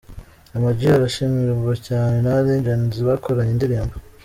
Ama G arashimirwa cyane na Legends bakoranye indirimbo.